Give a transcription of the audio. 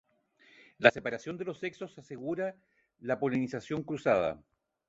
La separación de los sexos asegura la polinización cruzada.